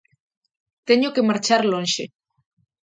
Teño que marchar lonxe.